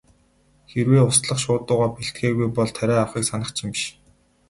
Хэрэв услах шуудуугаа бэлтгээгүй бол тариа авахыг санах ч юм биш.